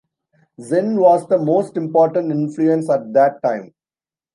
Zen was the most important influence at that time.